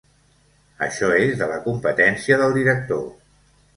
Això és de la competència del director.